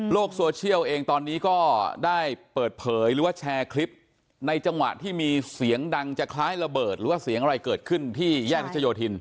โซเชียลเองตอนนี้ก็ได้เปิดเผยหรือว่าแชร์คลิปในจังหวะที่มีเสียงดังจะคล้ายระเบิดหรือว่าเสียงอะไรเกิดขึ้นที่แยกรัชโยธิน